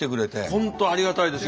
本当ありがたいです。